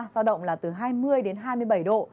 giao động là từ hai mươi đến hai mươi bảy độ